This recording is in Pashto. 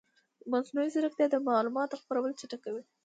مصنوعي ځیرکتیا د معلوماتو خپرول چټکوي.